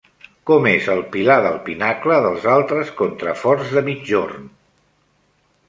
Com és el pilar del pinacle dels altres contraforts de migjorn?